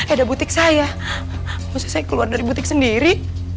ada butik saya maksudnya saya keluar dari butik sendiri